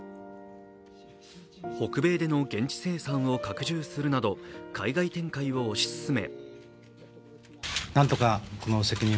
北米での現地生産を拡充するなど海外展開を推し進め